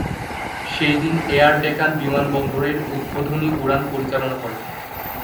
সেই দিন এয়ার ডেকান বিমানবন্দরের উদ্বোধনী উড়ান পরিচালনা করে।